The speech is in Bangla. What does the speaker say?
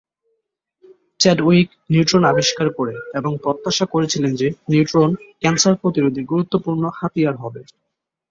চ্যাডউইক নিউট্রন আবিষ্কার করে এবং প্রত্যাশা করেছিলেন যে নিউট্রন ক্যান্সার প্রতিরোধে গুরুত্বপূর্ণ হাতিয়ার হবে।